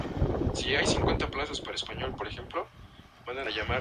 Asimismo, hacía construir la capilla de San Miguel.